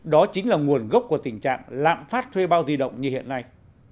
đó chính là nguồn gốc của tình trạng lạm phát thuê bao di động như hiện nay